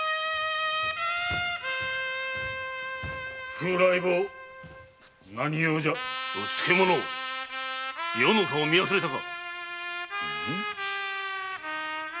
風来坊何用じゃうつけ者余の顔を見忘れたか。